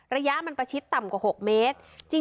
ระยะมันประชิดต่ำกว่า๖เมตร